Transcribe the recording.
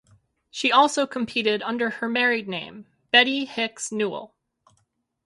She also competed under her married name, Betty Hicks Newell.